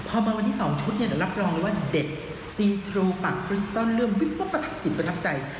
พอมาวันนี้๒ชุดเนี่ยเดี๋ยวรับรองเลยว่าเด็ดซีทรูปากปริ้นต้อนเรื่องวิบประทับจิตประทับใจ